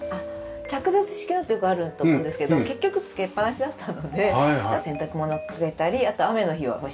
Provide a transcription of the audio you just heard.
着脱式のってよくあると思うんですけど結局付けっぱなしだったので洗濯物を掛けたりあと雨の日は干したり。